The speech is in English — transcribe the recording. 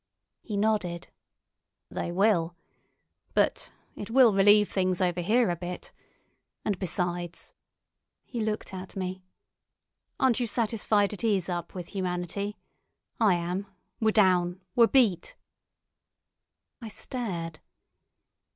He nodded. "They will. But—— It will relieve things over here a bit. And besides——" He looked at me. "Aren't you satisfied it is up with humanity? I am. We're down; we're beat." I stared.